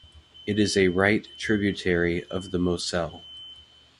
It is a right tributary of the Moselle.